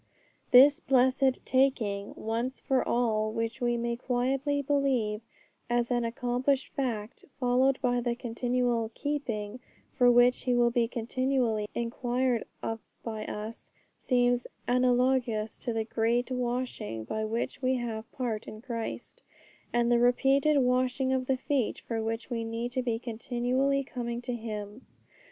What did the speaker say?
This blessed 'taking,' once for all, which we may quietly believe as an accomplished fact, followed by the continual 'keeping,' for which He will be continually inquired of by us, seems analogous to the great washing by which we have part in Christ, and the repeated washing of the feet for which we need to be continually coming to Him.